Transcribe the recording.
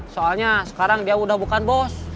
soalnya sekarang dia udah bukan bos